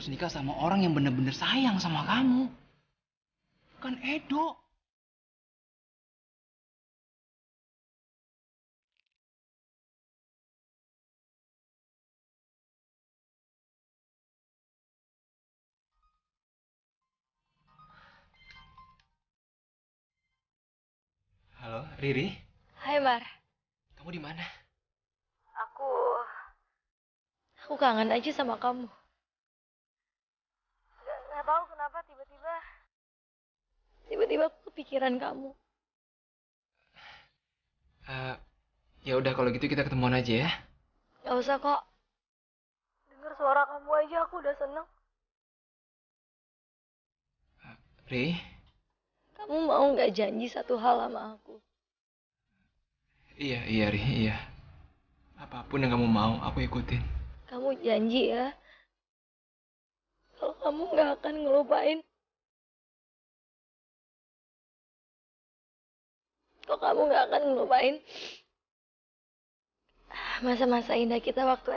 sekarang tiba tiba kamu bilang pesah pernikahannya gak jadi